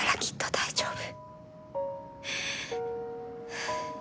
大丈夫。